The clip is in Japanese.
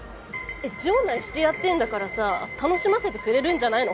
えっ場内してやってんだからさ楽しませてくれるんじゃないの？